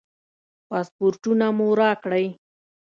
پاسپورټونه مو راکړئ.